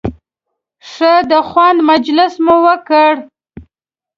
ښه د خوند مجلس مو وکړ.